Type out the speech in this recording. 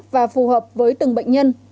và phù hợp với từng bệnh nhân